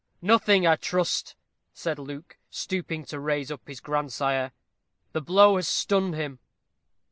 "Nothing, I trust," said Luke, stooping to raise up his grandsire. "The blow has stunned him."